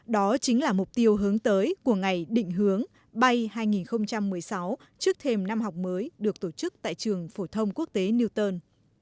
đó chính là mục tiêu hướng tới của ngày định hướng bay hai nghìn một mươi sáu trước thêm năm học mới được tổ chức tại trường phổ thông quốc tế newton